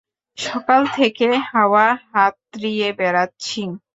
সকাল থেকে হাওয়া হাতড়িয়ে বেড়াচ্ছি।